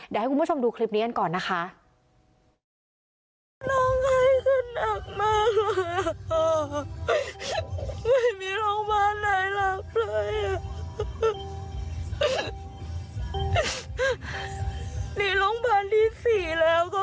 ลองดูคลิปนี้กันก่อนนะคะ